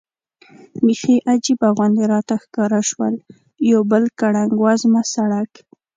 بېخي عجیبه غوندې راته ښکاره شول، یو بل ګړنګ وزمه سړک.